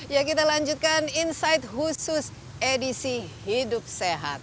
ya kita lanjutkan insight khusus edisi hidup sehat